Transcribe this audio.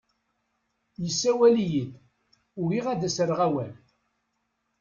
Yessawel-iyi-d, ugiɣ ad as-rreɣ awal.